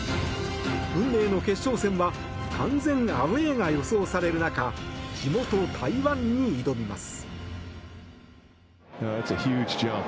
運命の決勝戦は完全アウェーが予想される中地元・台湾に挑みます。